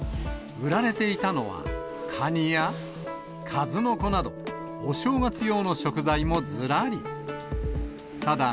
売られていたのは、カニやカズノコなど、お正月用の食材もずらり。